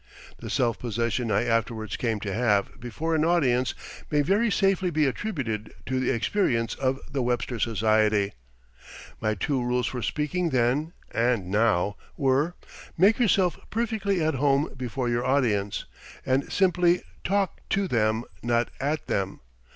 The self possession I afterwards came to have before an audience may very safely be attributed to the experience of the "Webster Society." My two rules for speaking then (and now) were: Make yourself perfectly at home before your audience, and simply talk to them, not at them.